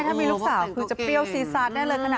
ถ้ามีหลอกลองไปถูกก็เก่ง